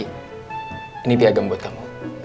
ini piagam buat kamu